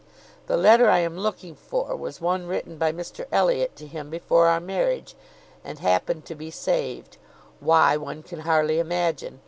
The letter I am looking for was one written by Mr Elliot to him before our marriage, and happened to be saved; why, one can hardly imagine.